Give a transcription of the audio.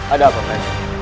ada apa pak yanda